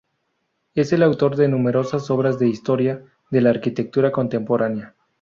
Es autor de numerosas obras de historia de la arquitectura contemporánea.